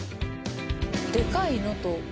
でかい「野」と。